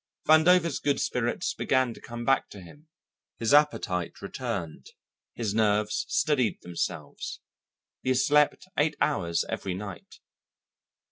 Vandover's good spirits began to come back to him, his appetite returned, his nerves steadied themselves, he slept eight hours every night.